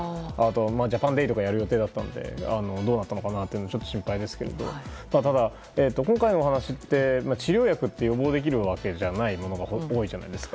ジャパンデーとかやる予定だったのでどうなったのか心配ですけど今回の話は治療薬って予防できるわけじゃないじゃないですか。